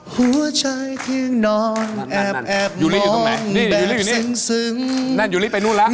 หัวใจเคียงนอนแอบมอนแบบเซ็ง